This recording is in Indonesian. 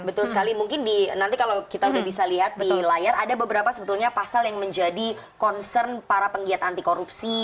betul sekali mungkin nanti kalau kita sudah bisa lihat di layar ada beberapa sebetulnya pasal yang menjadi concern para penggiat anti korupsi